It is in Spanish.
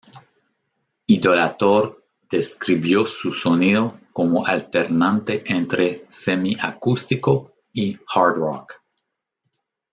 Idolator describió su sonido como alternante entre "semi-acústico y hard rock".